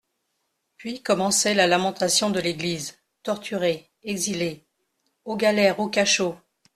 Puis commençait la lamentation de l'Église, torturée, exilée, aux galères, aux cachots.